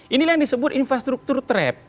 inilah yang disebut infrastruktur trap